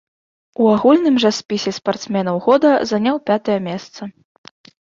У агульным жа спісе спартсменаў года заняў пятае месца.